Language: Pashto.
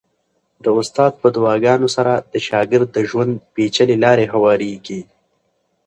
د استاد په دعاګانو سره د شاګرد د ژوند پېچلې لارې هوارېږي.